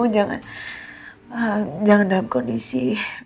jangan dalam kondisi